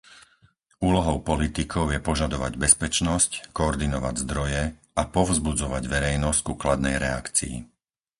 Úlohou politikov je požadovať bezpečnosť, koordinovať zdroje a povzbudzovať verejnosť ku kladnej reakcii.